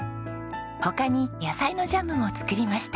他に野菜のジャムも作りました。